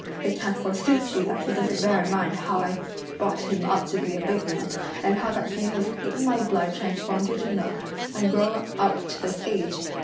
It can't forsooth be that he doesn't bear in mind how that I've brought him up to be a big man, and how that he has eaten my blood transformed into milk and grown up to this age!